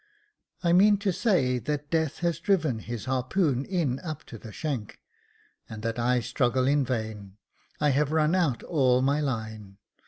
' I mean to say that death has driven his harpoon in up to the shank, and that I struggle in vain. I have run out all my line.